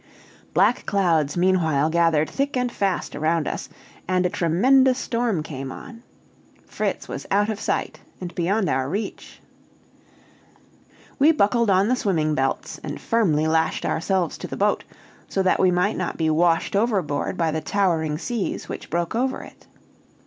Black clouds meanwhile gathered thick and fast around us, and a tremendous storm came on. Fritz was out of sight, and beyond our reach. We buckled on the swimming belts and firmly lashed ourselves to the boat, so that we might not be washed overboard by the towering seas which broke over it.